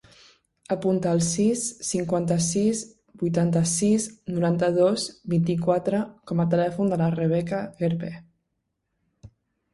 Apunta el sis, cinquanta-sis, vuitanta-sis, noranta-dos, vint-i-quatre com a telèfon de la Rebeca Gerpe.